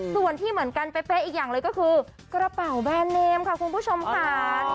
ส่วนที่เหมือนกันเป๊ะอีกอย่างเลยก็คือกระเป๋าแบรนดเนมค่ะคุณผู้ชมค่ะ